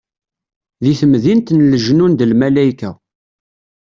Deg temdint n lejnun d lmalayka.